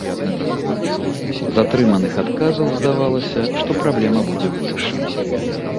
З атрыманых адказаў здавалася, што праблема будзе вырашана.